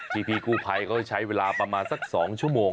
พี่กู้ภัยเขาใช้เวลาประมาณสัก๒ชั่วโมง